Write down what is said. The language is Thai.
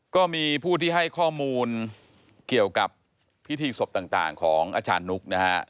ก็มีผู้ที่ให้ข้อมูลเกี่ยวกับพิธีศพต่างของอาจารย์นุ๊กนะฮะ